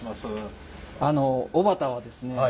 あの小畑はですね